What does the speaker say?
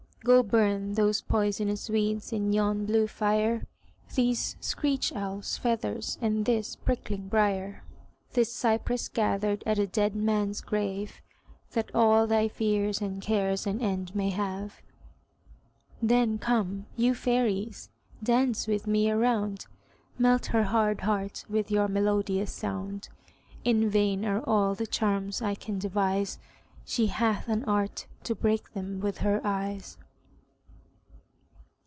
Go burn those poisonous weeds in yon blue fire, These screech owl's feathers and this prickling briar, This cypress gathered at a dead man's grave, That all thy fears and cares an end may have. Then come, you fairies, dance with me a round; Melt her hard heart with your melodious sound. In vain are all the charms I can devise; She hath an art to break them with her eyes.